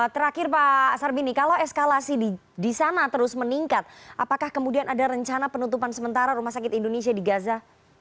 terakhir pak sarbini kalau eskalasi di sana terus meningkat apakah kemudian ada rencana penutupan sementara rumah sakit indonesia di gaza